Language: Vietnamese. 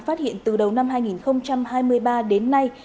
phát hiện từ đầu năm hai nghìn hai mươi ba đến nay